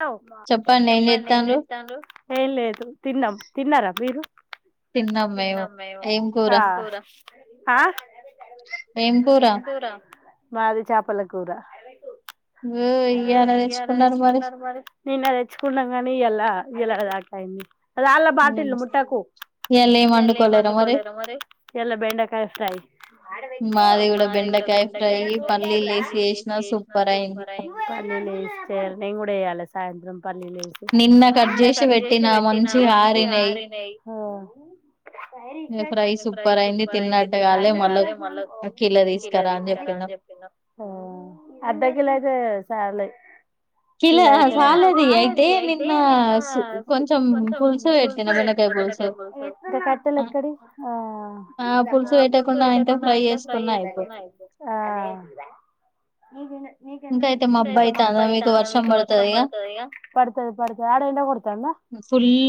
Hello చెప్పండి ఏం లేను ఏం లేదు తిన్నాం తిన్నారా మీరు తినం మేము ఏం కూర ఆ ఏం కూర మాది చేపల కూర ఇరది తెచ్చుకున్నారు మరి నేనా తెచ్చుకున్నాం కానీ ఇ్యలా ఇలా ఆ టైమ్ అది అళ్లా బాటిల్ ముట్టాకు ఇయల ఏం మండకోలరు మరి ఎలా బెండకాయ ఫ్రై ఆడ వ మాది ఇవిడ బెండకాయ ఫ్రై ర కూడా చేయాలా సాయంత్రం పల్లి లేసి నిన్న కట్ చేసి పెట్టినా మంచి ఆరినయి ఫ్రై సూపర్ అయింది తిన్నట్ట కాదే మళ్ళ కిల తీసుకురా ఎ అర్ధ కలో ఇద సల కిలో సాలది అయితే నిన్న కొంచెం పుల్స ఇడ్తనా బనక కట్ట ఎ పుకు ఆ కా ఇంత అయితే మాబ్బ అయితందా మీ వర్షం పడుతది పడతది పడతది ఆడ ఇంట కొడతందా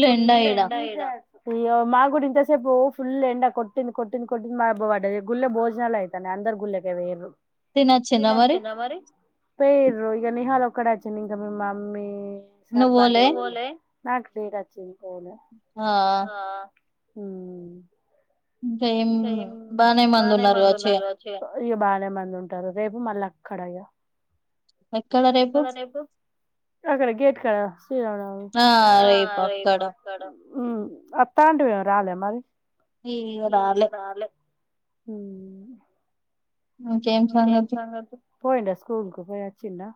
ఫుల్ ఎండ ఇడ ఈగో మాక్ కూడా ఇంత సేపు ఫుల్ ఎండ కొటింది కొటింది కొట్టింది బడ గుల్ భోజనాాల అయితే అందరు గుల్క వేరు తీనాచ్చ అరి పేర్ ఇక నిహల్ ఒకక్కడ అచ్చి నింకా మమ్ మా మమ్ సార్ పాండ నాక్ డేట్ వచ్చింది ఇంకా ఏం బానే మంది ఉన్నారు కాచ్చ ఇ బాలగానే మంది ఉంటారు రేపు మళ్ళీ అక్కడ ఎక్కడ రేపు అక్కడ గేట్ కడ శ్రీరామనాపు అక్కడ ఉ వాత ఆంటీవి రాలే మరి ఈ రాలే హ ఇంకా ఏం సంగతులు పోయిడా స్కూల్ కు పోయి వచ్చిడా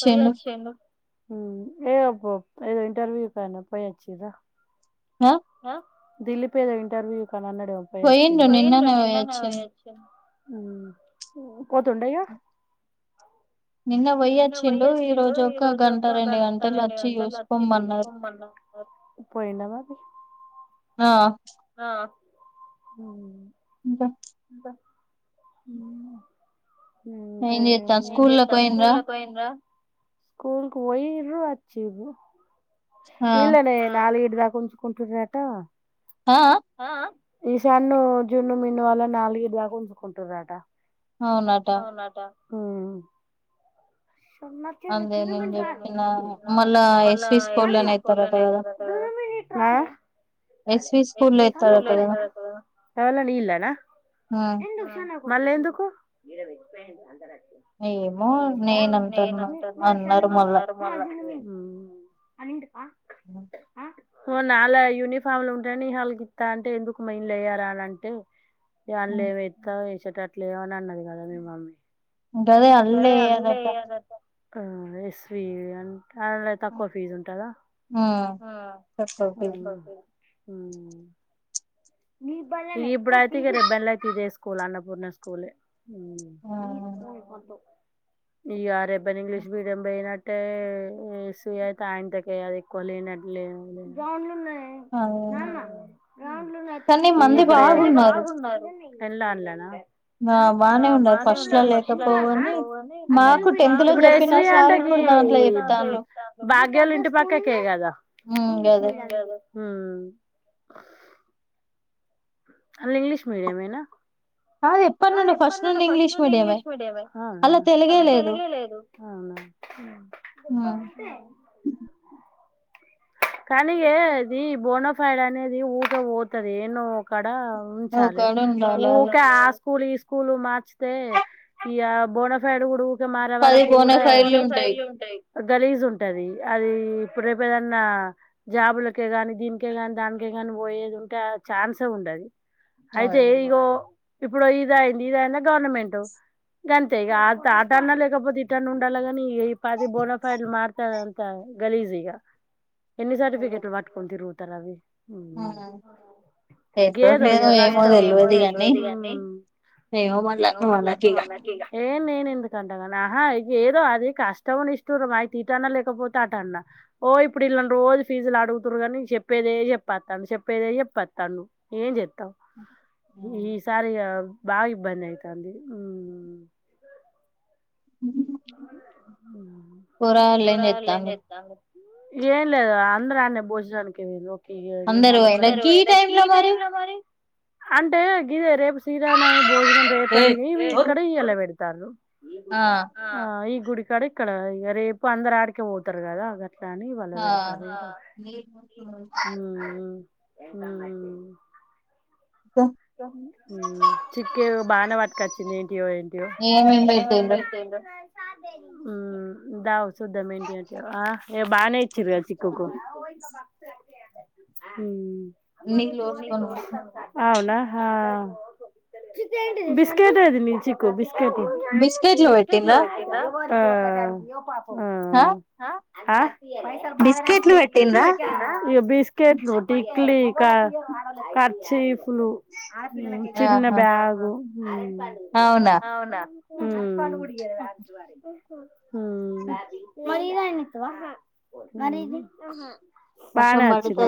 పోయిచూడు ఏ ఏద ఇంటవ్యూ క పో అచ్చి హ దిల్లీ ప ఏదో ఇంటర్వ్యూ కాని అన్నడం వచ్చింది నిన్ని పోతుండయ్యా నిన్న పోయొచ్చిండు ఈ రోజు ఒక గంట రెండు గంటలు వచ్చి చూసుకోమన్నారు పోయినావా ఆ హ ఇకా సరే నేను చెస్తా స్కూల్కి పోయింద్రా స్కూల్ కు పోయిన్రు వచ్చిు ఇల్నే నాలుగుగిడ్ దాకు ంటట ఈ సన్న జున్న మిను అలా నాలుగ దాకా ఉంచజుకుంట్రట అవునాట డి మ ఎస్కోలక్క సవాలని ఇల్నా క మళ్ళీ ఎందుకుయి ఏయమో నేనంత ష నాలా యూనిఫామ్లు ఉంటా న హళకిస్తా అంటే ఎందుకు మయిన్లుయార అనింటే రాంలే ఏవ ఇస్తా వసేటటు అట్లేవ అని అన్నది కదా మీ మమ్మీ ఇకా అదే అల్ే అనంట ఆ ఎవి అ అ తక్కువ ఫీజు ఉంటాదా అ నీ ఇప్పుడు అయితే ఇక రెబ్బెన్ల అయిత ఇదే స్కూల్ అన్నపూర్ణ స్కూల్ ఆ ఈ ఆ రేబ్బని ఇంగ్లీష్ మీడియం పోయినట్టే సూ అయితే ఆయనంతకేది ఎక్కువ లేనట్లే జాన్లోన్నా అవు ఇప్పుడ ఎలా అలానా ఆ బాగానే ఉండదు ఫస్ట్ లో లేకపోవు అని మాకు టెన్త్ లో చెప్పిన సారి ఇప్పుడు దాంట్లో చెప్తాను గలి ఇంట పాక కే కద అందు ఇంగ్లీష్ మీడియమ ఏనా అ ఎప్ప నుండి ఫస్ట్ నుండి ఇంగ్లీష్ మీడియమ అలా తెలుగే లేదు చెప్ప ఉంట కనీగ ఇది బోనఫైడ్ అనేది ఊట ఓతుది ఏను క ఉంచాలి ఊరికే కూ మార్చతే బో డుక మారే వరకు కూడా ఉంటాయి గలీజ్ ఉంటది అది ఇప్పుడు రేపు ఏదన్నా జాబులకే గానీ దీనికే గాని దానికే ని పోయేది ఉంటే ఆ ఛాన్సే ఉండది అయితే ఇగో ఇప్పుడు ఇది అయింది ఇదయినా గవర్నమెంట్ గంత ఈ ఆ టర్న్ లేకపోతే ఈ టర్న్ ఉండాలగాని ఈ ఈ పాది బోనా పల్ మార్తాద అంత గలీజగా ఎన్ని సర్టిఫికెట్లు పట్టుకొని తిరుగుతరవి గేదు ఇ్యష్ట [unintelligible] ఎమో మల్ల నువ్వు అనకు ఇగ నేను ఎందుకంటగా ఆహా ఏదో అది కష్టం. నీస్టురం అయితే ఇటు అన్నా లేకపోతే అట అన్నా ఓ ఇప్పుడు ఇళ్ళని రోజు ఫీజులు అడుగుతురగాని చెప్పేదే చెప్పేస్తాను చెప్పేదే చెప్పేస్తాను ఏంటి చెతావ్ ఈసారి ఇగ బాగా ఇబ్బంది అయితంది ఉం అ పోరగల్లు ఏమ్ చెత్తనరు ఏం లేదు అందరు ఆన్నే భోజనానికి వెళ్ళిర్రు అంటే గిదే రేపు శ్రీరామ నవమి భోజనం రేపనీ ఇక్కడ ఇయ్యాల పెడతన్నారు ఆ ఆ ఈ గుడికాడ ఇక్కడ ఈగ రేపు అందరు ఆడ్కె పోతారు గదా ని వల పెడతాలకా [unintelligible] ఉం చిక్కీ బానే పట్క వచ్చింది ఏంటియో ఏంటియో ఏమి హంైతే దావ [unintelligible] చూద్దాం ఏంటి ఎంటియో ఇగ బానే ఇచ్చిర్ చిక్కుకు అవునా చ [unintelligible] బిస్కెట్ అది చకు బిస్ స్క మస్కతి వ పా [unintelligible] బస్ ఇ బిస్కెట్లు టక్లీ [unintelligible] క ఖర్చీపులు చిన్న బ్యాగు అవునా మరి ఇది అయిన ఇత్తవా మరి ఇది బానే వచ్చిరు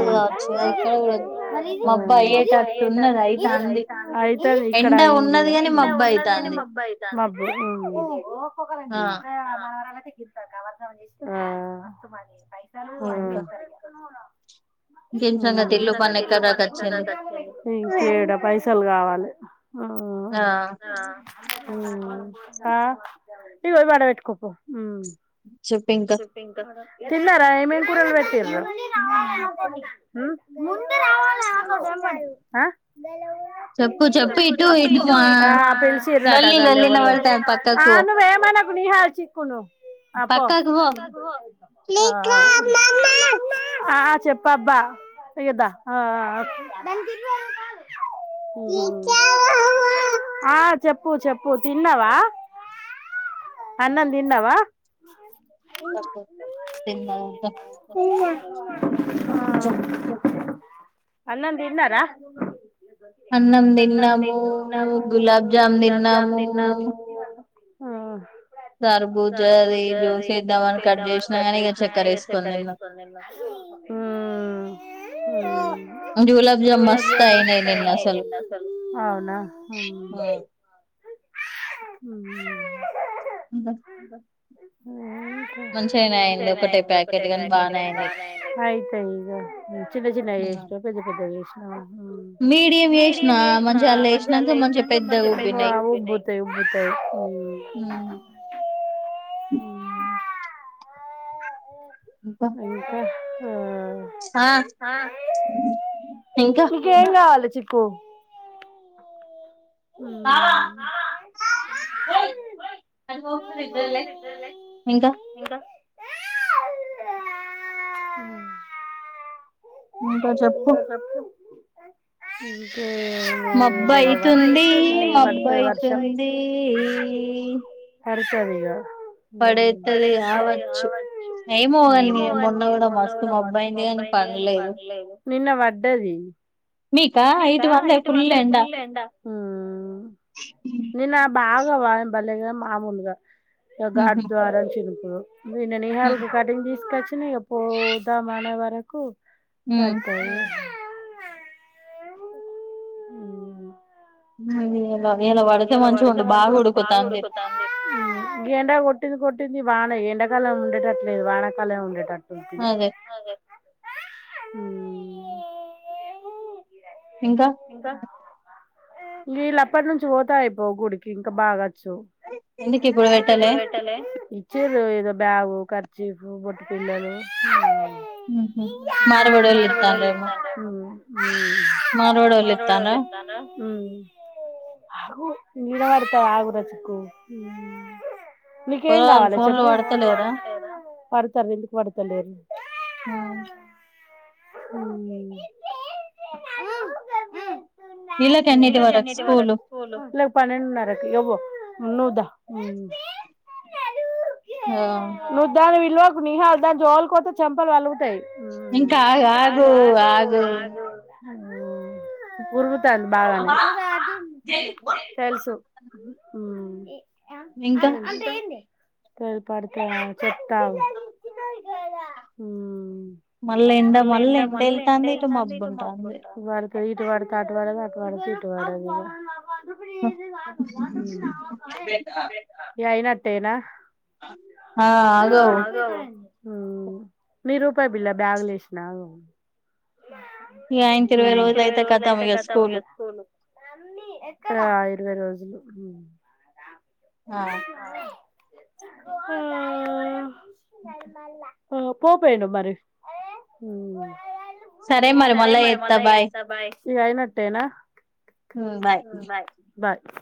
అయితది ఇక్కడ అయింది ఎండ ఉన్నది కాని మబ్బు అయితా మబ్బు ఉం ఆ ఇంకా [unintelligible] సంగతిలు పనే కద కేడ పైసలు కావాలి ఆ ఆ నవవిబడబట్కోప్పు ఉ [unintelligible] చెప్పు ఇంకా తిన్నారా ఏమేమి కూరల్ పెట్టీర్రు వాలడ [unintelligible] ఆ పిల్సిరట గాల్లు ఎవలో ఆ నువ్వు ఏమనకు హాల చకున [unintelligible] పక్కకు ఆ [unintelligible] చెప్పబ్బా ఇగ దా ఆ ఆ ఆ చెప్పు చెప్పు చెప్పు తిన్నావా అన్నం తిన్నావా ఫస్ట్ తిన్నావా దా తిన్న కొంచెం అన్నం తీన్నారా అన్నం తిన్నాము గులాబ్జామ్ తిన్నాము ఆ సరబూజది జుసే జ్యూస ఏద్దామని కట్ జేసినా గని ఇగ చక్కర ఏస్కొందిన్న జూలాబ మస్త అయింది నిన్న అసలు హ్మ్ [unintelligible] ఉహు అయితది ఈగ చిన్న చిన్న గ చేసినవా పెద్ద పెద్ద చేసి మీడియం జెషిన మంచిగ లేశినంక మంచిగ హు ఉ ఇంకా హా ఆ మీకేం గావలే చి ప్పు బావ ఓయ్ అటువోక్ వెళ్ళే ఇంకా చెప్ ఇంకే మబ్బయితుందీ మబ్బాయితుందీ ఈ హరిశలిగా పడేతే గావచ్చు ఏమో గని మీ మొన్న గుడా మస్తు మబ్బయింది గని పల్లేదు నిన్న వడ్డది మీక ఇటు వల్లే ఫుల్ ఎండ నిన్న బాగవానేం బల్లెగని మామూల్గ గార్దుమారం చినపురు నిన్న నిహాలుకు కటింగ్ తీసుగొచ్చిన పోధాం అనే వరకు పడ్తది ఉ [unintelligible] ఇయల వడితే మంచిగుండు బాగా ఉడుకుతాన్ది గీ ఎండ కొట్టింది కొట్టింది వాన ఎండాకాలం ఉండేటట్లేదు వానకాలం ఉండేటట్ ఇంకా వీళ్ళ అప్పటి నుంచి పోతే అయిపో గుడికి ఇంకా బాగా నీకు ఇప్పుడు వెట్టలె చిరు ఏదో బ్యాగు ఖర్చీఫ్ బొట్ పిల్లలు [inaudible] మారోడోళ్ళు ఇత్తన్ర హ్మ్ మిదవడ్తవ్ ఆగు రచకు మీకేం గావాల చెప్పు పడతరు ఎందుకు పడతలేరు హ్మ్ హ్మ్ వీళ్లకు పన్నెండున్నరకి ఇగవో ను దా ఆ వోకు నిహాలు దాని జోలుకు వోతే చెంపలు వలుగుతయి ఇంకా ఆ ఆగు ఆగు ఉరు బాగానే తెలుసు తలుపడుతే చె ట మ్ మల్ ఎండ మల్ ఎండ ఎల్తాంది ఇటు మబ్ వత్తాంది. ఇటు పడితే అటు పడదు అటు పడితే ఇటు పడదు. యినా నా మీరు ఇప్పపిల బ్యాగ్లో వేసినా ఆగు ఇప్ ఆయింత ఇరవై రోజులు అయితే ఖతం స్కూలు ఇరవై రోజులు. ఉ ఆ హ్మ్ ఆ పోపోయిను మరి సరే మరి మళ్ళా చేత్త బాయ్ ఇగ అయినట్టేనా బాయ్ బాయ్